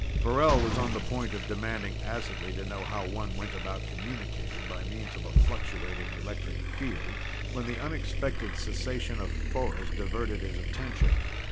Farrell was on the point of demanding acidly to know how one went about communicating by means of a fluctuating electric field when the unexpected cessation of forest diverted his attention.